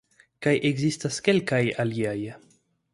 Kaj ekzistas kelkaj aliaj.